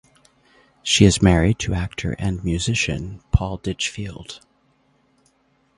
She is married to actor and musician Paul Ditchfield.